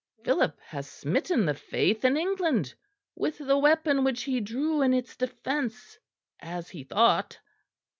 Philip has smitten the Faith in England with the weapon which he drew in its defence, as he thought."